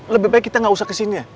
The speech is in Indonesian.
lebih baik kita nggak usah kesini ya